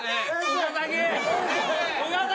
岡崎！